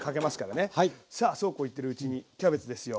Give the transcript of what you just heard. さあそうこう言ってるうちにキャベツですよ。